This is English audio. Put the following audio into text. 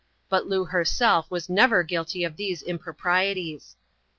But Loo herself was Bever guilty of these improprieties.